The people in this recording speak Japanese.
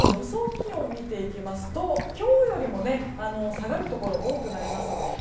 気温を見ていきますと今日よりも下がるところがあります。